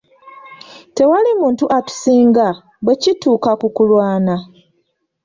Tewali muntu atusinga bwe kituuka ku kulwana.